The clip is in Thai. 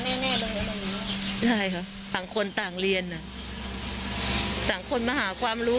แน่ได้หรอต่างคนต่างเรียนอ่ะต่างคนมาหาความรู้